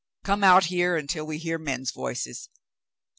Come out here until we hear men's voices."